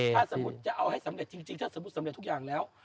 ถ้าสมมุติจะเอาให้สำเร็จจริงถ้าสมมุติสำเร็จทุกอย่างแล้ว